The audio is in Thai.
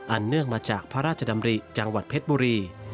เนื่องมาจากพระราชดำริจังหวัดเพชรบุรี